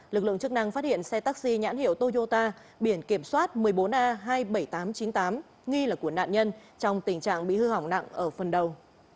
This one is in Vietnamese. lực lượng chức năng phát hiện xe taxi nhãn hiệu toyota biển kiểm soát một mươi bốn a hai mươi bảy nghìn tám trăm chín mươi tám nghi là của nạn nhân trong tình trạng bị hư hỏng nặng ở phần đầu